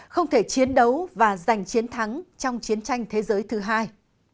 không thể chiến đấu và giành chiến thắng trong chiến tranh thế giới thứ hai